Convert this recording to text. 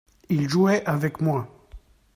il jouait avec moi.